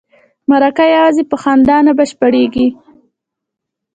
مرکه یوازې په خندا نه بشپړیږي.